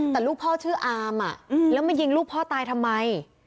แต่ลูกพ่อชื่ออามแล้วมายิงลูกพ่อตายทำไม